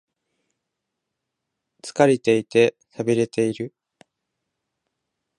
疲れていて、寂れている。